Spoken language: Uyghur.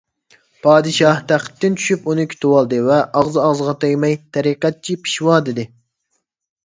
پادىشاھ تەختتىن چۈشۈپ ئۇنى كۈتۈۋالدى ۋە ئاغزى - ئاغزىغا تەگمەي: «تەرىقەتچى پېشۋا!» دېدى.